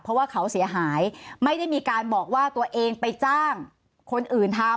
เพราะว่าเขาเสียหายไม่ได้มีการบอกว่าตัวเองไปจ้างคนอื่นทำ